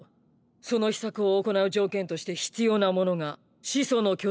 その「秘策」を行う条件として必要なものが「始祖の巨人」と「王家の血を引く巨人」。